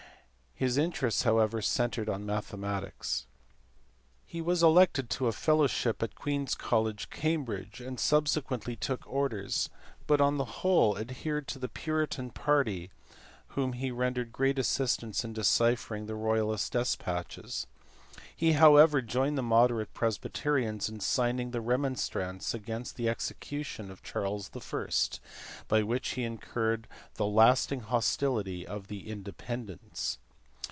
His interests however centred on mathematics. He was elected to a fellowship at Queens College, Cam bridge, and subsequently took orders, but on the whole adhered to the Puritan party to whom he rendered great assistance in deciphering the royalist despatches. He however joined the moderate Presbyterians in signing the remonstrance against the execution of Charles I., by which he incurred the lasting hostility of the Independents.